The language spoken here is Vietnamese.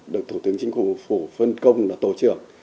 được thủ tướng chính phủ phủ phân công là tổ trưởng